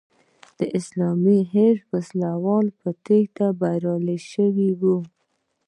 د اسلامي حزب وسله وال په تېښته بریالي شوي وو.